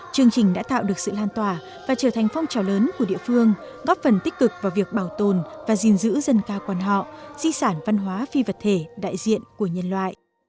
chương trình đã tạo được sự lan tỏa và trở thành phong trào lớn của địa phương góp phần tích cực vào việc bảo tồn và gìn giữ dân ca quan họ di sản văn hóa phi vật thể đại diện của nhân loại